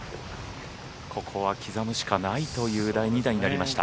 ここは刻むしかないという第２打になりました。